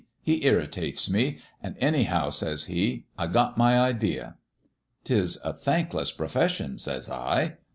* He irritates me. An' anyhow,' says he, * I got my idea.' "' 'Tis a thankless profession,' says I.